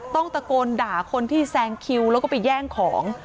ตะโกนด่าคนที่แซงคิวแล้วก็ไปแย่งของ